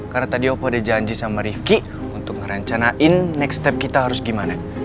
karena tadi opa udah janji sama rifki untuk merencanain next step kita harus gimana